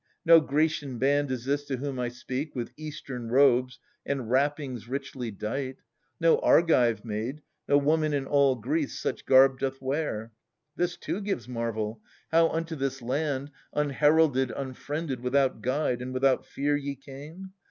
No Grecian band Is this to whom I speak, with Eastern robes And wrappings richly dight : no Argive maid, No woman in all Greece such garb doth wear. This too gives marvel, how unto this land, * p l e Unheralded, unfriended, without guide, And without fear, ye came